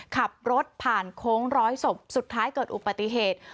ขับรถผ่านโค้งร้อยศพสุดท้ายเกิดอุปติเหตุ